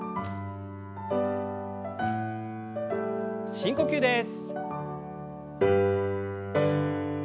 深呼吸です。